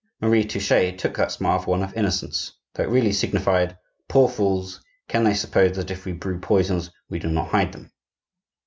Marie Touchet took that smile for one of innocence, though it really signified: "Poor fools! can they suppose that if we brew poisons, we do not hide them?"